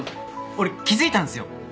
俺気付いたんすよ。